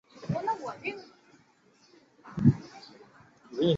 大家晚安，明天再会。